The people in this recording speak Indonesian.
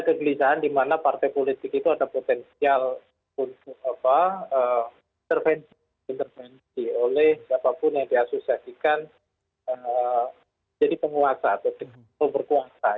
kegelisahan di mana partai politik itu ada potensial untuk intervensi oleh siapapun yang diasosiasikan jadi penguasa atau berkuasa